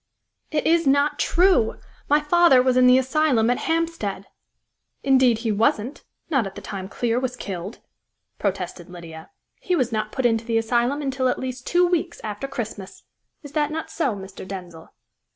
"It is not true! My father was in the asylum at Hampstead!" "Indeed he wasn't not at the time Clear was killed!" protested Lydia. "He was not put into the asylum until at least two weeks after Christmas. Is that not so, Mr. Denzil?"